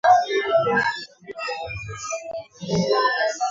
Mwandishi wa Uganda aliyeko uhamishoni asimulia alivyoteswa kwa kusimamia maadili